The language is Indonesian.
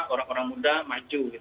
orang orang muda maju